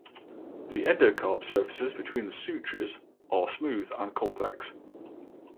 The endocarp surfaces between the sutures are smooth and convex.